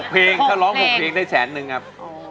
เพลงถ้าร้อง๖เพลงได้แสนนึงครับ